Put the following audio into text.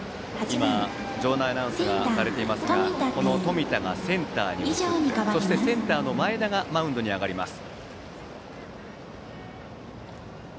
今、場内アナウンスがされていますがこの冨田がセンターに移りそしてセンターの前田がマウンドに上がります。